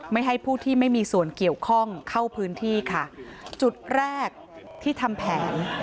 ไม่ให้ผู้ที่ไม่มีส่วนเกี่ยวข้องเข้าพื้นที่ค่ะจุดแรกที่ทำแผน